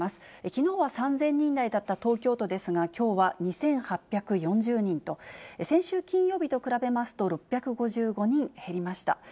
きのうは３０００人台だった東京都ですが、きょうは２８４０人と、先週金曜日と比べますと、６５５人減りました。